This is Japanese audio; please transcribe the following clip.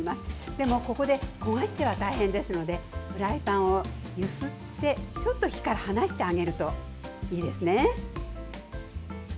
でも、ここで焦がしては大変ですのでフライパンを揺すって、ちょっと火から離してあげるといいですね。